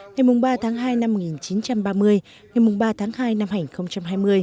ngày ba tháng hai năm một nghìn chín trăm ba mươi ngày ba tháng hai năm hai nghìn hai mươi